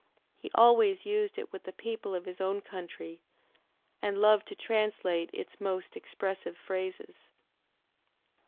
He always used it with the people of his own country, and loved to translate its most expressive phrases.